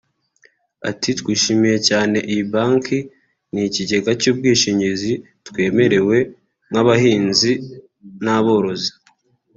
Ati “Twishimiye cyane iyi Banki n’ikigega cy’ubwishingizi twemerewe nk’abahinzi n’aborozi